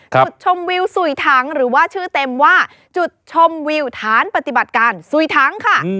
จุดชมวิวสุยถังหรือว่าชื่อเต็มว่าจุดชมวิวฐานปฏิบัติการสุยถังค่ะ